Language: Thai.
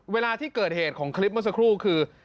เวลาที่เกิดเหตุของคลิปเมื่อสักครู่คือ